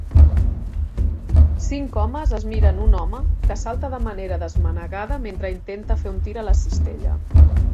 Cinc homes es miren un home que salta de manera desmanegada mentre intenta fer un tir a la cistella.